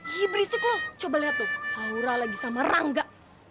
ih berisik lo coba lihat tuh laura lagi sama rangga